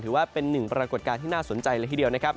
หรือว่าเป็นหนึ่งปรากฏการณ์ที่น่าสนใจเลยครับ